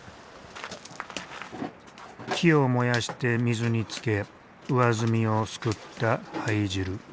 木を燃やして水につけ上澄みをすくった灰汁。